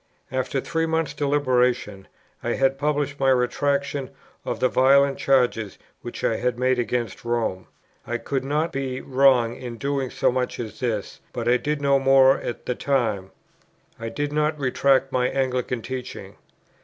After three months' deliberation I had published my retractation of the violent charges which I had made against Rome: I could not be wrong in doing so much as this; but I did no more at the time: I did not retract my Anglican teaching.